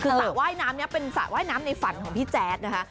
คือสระว่ายน้ำนี้เป็นสระว่ายน้ำในฝันของพี่แจ๊ดนะคะ